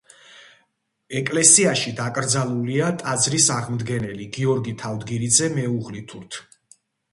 ეკლესიაში დაკრძალულია ტაძრის აღმდგენელი გიორგი თავდგირიძე მეუღლითურთ.